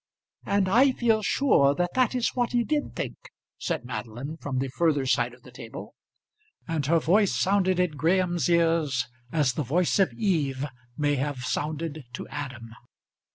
"And I feel sure that that is what he did think," said Madeline, from the further side of the table. And her voice sounded in Graham's ears as the voice of Eve may have sounded to Adam.